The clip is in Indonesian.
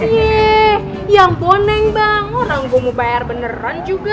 yeay yang boneng bang orang gue mau bayar beneran juga